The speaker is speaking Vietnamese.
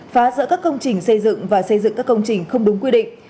phá rỡ các công trình xây dựng và xây dựng các công trình không đúng quy định